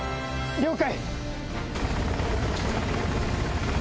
了解！